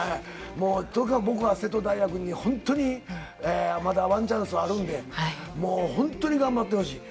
とにかく僕は、瀬戸大也君に本当に、まだワンチャンスあるんで、もう本当に頑張ってほしい。